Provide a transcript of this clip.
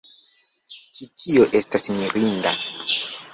Ĉi tio estas mirinda